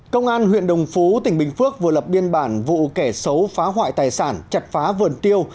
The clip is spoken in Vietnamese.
công an huyện đồng phú tỉnh bình phước vừa lập biên bản vụ kẻ xấu phá hoại tài sản chặt phá vườn tiêu